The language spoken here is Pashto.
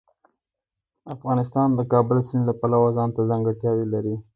افغانستان د کابل سیند له پلوه ځانته ځانګړتیاوې لري.